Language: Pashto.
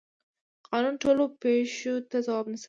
قانون ټولو پیښو ته ځواب نشي ویلی.